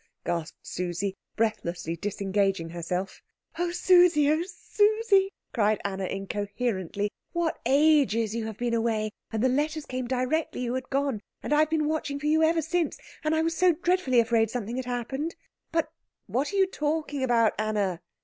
gasped Susie, breathlessly disengaging herself. "Oh, Susie! oh, Susie!" cried Anna incoherently, "what ages you have been away and the letters came directly you had gone and I've been watching for you ever since, and was so dreadfully afraid something had happened " "But what are you talking about, Anna?"